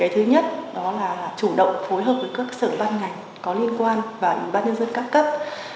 thứ nhất là chủ động phối hợp với các sở văn ngành có liên quan và bán nhân dân các cấp